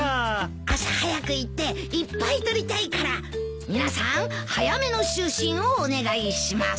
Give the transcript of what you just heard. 朝早く行っていっぱいとりたいから皆さん早めの就寝をお願いします。